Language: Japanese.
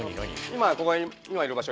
今ここら辺に今いる場所